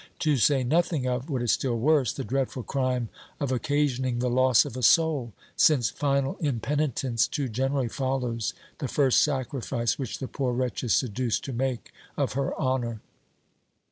To say nothing of, what is still worse, the dreadful crime of occasioning the loss of a soul; since final impenitence too generally follows the first sacrifice which the poor wretch is seduced to make of her honour!"